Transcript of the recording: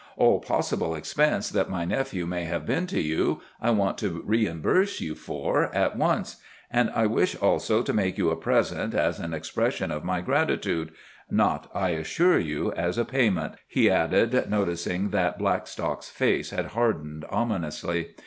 All possible expense that my nephew may have been to you, I want to reimburse you for at once. And I wish also to make you a present as an expression of my gratitude—not, I assure you, as a payment," he added, noticing that Blackstock's face had hardened ominously.